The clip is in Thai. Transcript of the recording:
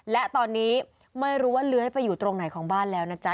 และตอนนี้ไม่รู้ว่าเลื้อยไปอยู่ตรงไหนของบ้านแล้วนะจ๊ะ